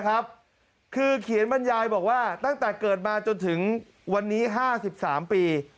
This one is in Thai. คือเขียนบรรยายบอกว่าตั้งแต่เกิดมาจนถึงวันนี้๕๓ปี